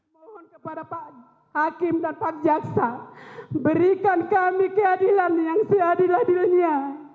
mohon kepada pak hakim dan pak jaksa berikan kami keadilan yang seadil adilnya